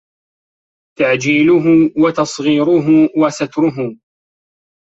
تَعْجِيلُهُ وَتَصْغِيرُهُ وَسَتْرُهُ